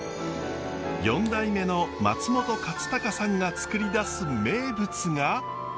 ４代目の松本勝隆さんがつくり出す名物が。